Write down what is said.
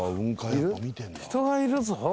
人がいるぞ